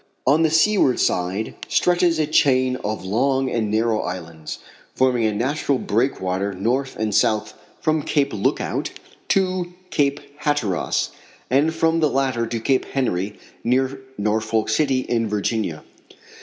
On the seaward side stretches a chain of long and narrow islands, forming a natural breakwater north and south from Cape Lookout to Cape Hatteras and from the latter to Cape Henry, near Norfolk City, in Virginia.